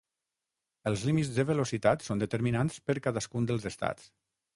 Els límits de velocitat són determinats per cadascun dels estats.